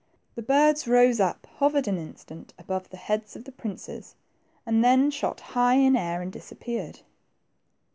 The birds rose up, hovered an instant about the heads of the princes, and then shot high in air and disappeared.